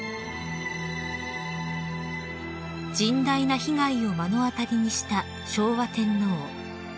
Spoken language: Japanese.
［甚大な被害を目の当たりにした昭和天皇］